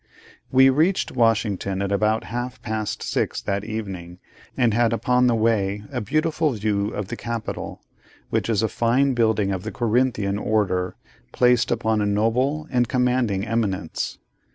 We reached Washington at about half past six that evening, and had upon the way a beautiful view of the Capitol, which is a fine building of the Corinthian order, placed upon a noble and commanding eminence.